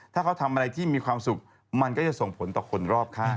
ถ้าเขาทำอะไรที่มีความสุขมันก็จะส่งผลต่อคนรอบข้าง